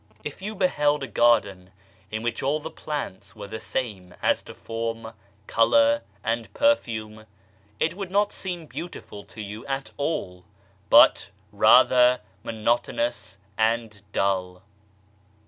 If you beheld a garden, BEAUTY IN DIVERSITY 47 in which' all the plants were the same as to form, colour and perfume, it would not seem beautiful to you at all, but, rather, monotonous and dull.